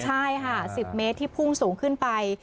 ใช่ค่ะ๑๐เมตรที่พุ่งสูงขึ้นไป